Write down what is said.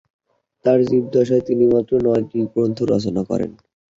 তাঁর জীবদ্দশায় তিনি মাত্র নয়টি গ্রন্থ রচনা করেন।